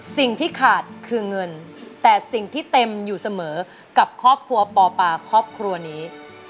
สิ่งที่ขาดคือเงินแต่สิ่งที่เต็มอยู่เสมอกับครอบครัวปอปาครอบครัวนี้